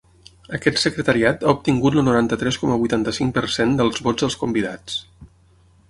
Aquest secretariat ha obtingut el noranta-tres coma vuitanta-cinc per cent dels vots dels convidats.